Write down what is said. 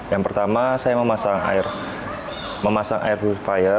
yang pertama saya memasang air memasang air purifier